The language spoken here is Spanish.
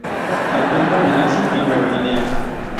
Se encuentra en Asia y Nueva Guinea.